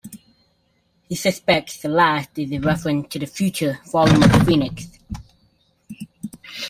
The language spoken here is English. He suspects the last is a reference to the "Future" volume of "Phoenix".